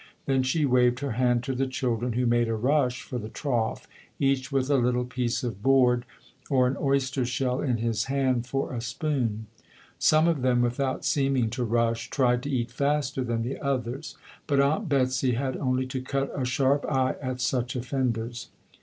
Then she waved her hand to the children, who made a rush for the trough, each with a little piece of board or an oyster shell in his hand for a spoon. Some of them, without seeming to rush, tried to eat faster than the others, but Aunt Betsy had only to cut a sharp eye at such offenders.